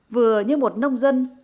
vừa như một nông dân